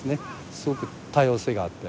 すごく多様性があって。